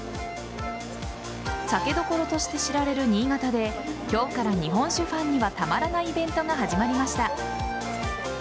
酒どころとして知られる新潟で今日から日本酒ファンにはたまらないイベントが始まりました。